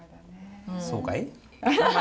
そうかい？